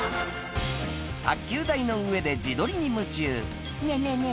卓球台の上で自撮りに夢中「ねぇねぇねぇ